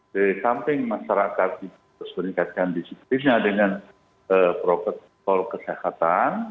jadi samping masyarakat harus meningkatkan disiplinnya dengan protokol kesehatan